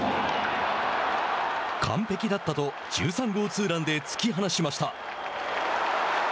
「完璧だった」と１３号ツーランで突き放しました。